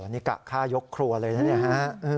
นี่กะฆ่ายกครัวเลยนะเนี่ยฮะ